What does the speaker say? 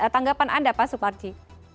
tanggapan anda pak suparji